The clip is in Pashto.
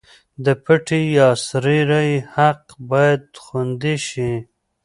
د پټې یا سري رایې حق باید خوندي شي.